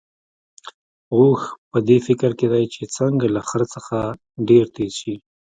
اوښ په دې فکر کې دی چې څنګه له خره څخه ډېر تېز شي.